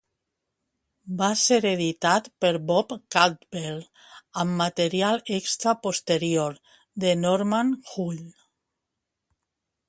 Va ser editat per Bob Caldwell amb material extra posterior de Norman Hull.